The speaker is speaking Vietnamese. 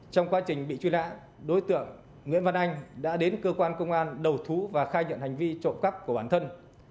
trong quá trình bị truy nã đối tượng nguyễn văn anh đã đến cơ quan công an đầu thú và khai nhận hành vi trộm cắp của bản thân